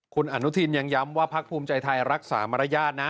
คุณอนุทินยังย้ำว่าพักภูมิใจไทยรักษามารยาทนะ